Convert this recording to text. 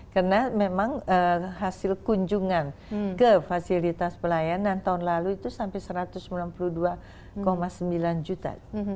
karena memang hasil kunjungan ke fasilitas pelayanan tahun lalu itu sampai satu ratus sembilan puluh dua sembilan juta